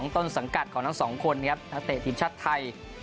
ต้นสังกัดของทั้งสองคนครับนักเตะทีมชาติไทย